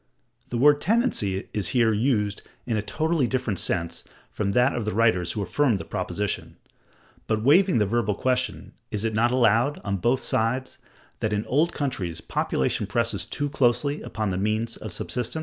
(171) The word tendency(172) is here used in a totally different sense from that of the writers who affirmed the proposition; but waiving the verbal question, is it not allowed, on both sides, that in old countries population presses too closely upon the means of subsistence?